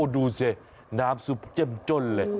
โอ้ดูสิน้ำซุปเจ็บจ้นเลย